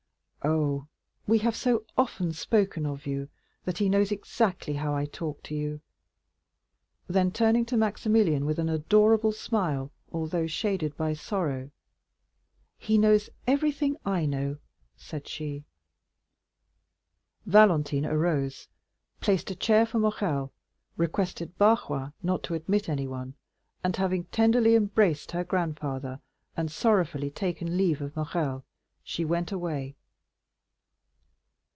"Oh, we have so often spoken of you, that he knows exactly how I talk to you." Then turning to Maximilian, with an adorable smile; although shaded by sorrow,—"He knows everything I know," said she. Valentine arose, placed a chair for Morrel, requested Barrois not to admit anyone, and having tenderly embraced her grandfather, and sorrowfully taken leave of Morrel, she went away.